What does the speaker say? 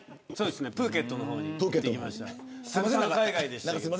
プーケットの方に行ってきました。